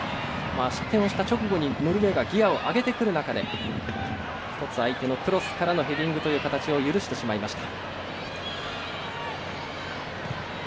失点をした直後にノルウェーがギヤを上げてくる中１つ相手のクロスからのヘディングという形を許してしまいました。